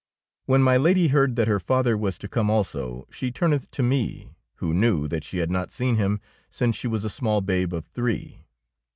When my Lady heard that her father was to come also, she turneth to me, who knew that she had not seen him since she was a small babe of three.